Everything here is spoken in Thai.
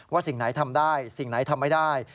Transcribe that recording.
สิ่งไหนทำได้สิ่งไหนทำไม่ได้